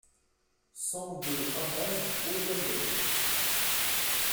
cent deux impasse du Haut Boyet